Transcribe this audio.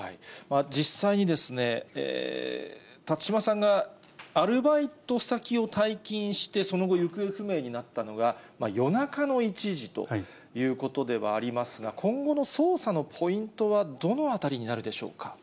実際に辰島さんがアルバイト先を退勤して、その後行方不明になったのが夜中の１時ということではありますが、今後の捜査のポイントはどのあたりになるでしょ